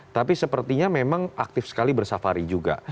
tapi sepertinya memang aktif sekali bersafari juga